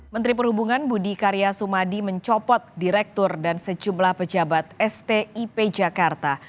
menteri perhubungan budi karya sumadi mencopot direktur dan sejumlah pejabat stip jakarta